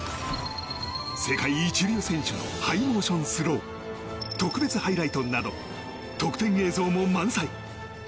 世界一流選手のハイモーションスロー特別ハイライトなど特典映像も満載。